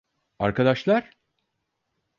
Arkadaşlar?